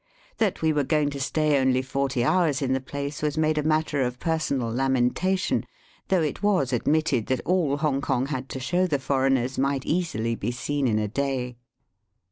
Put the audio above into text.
That we were going to stay only forty hours in the place was made a matter of personal lamentation, though it was ad mitted that all Hongkong had to show the foreigners might easily be seen in a day.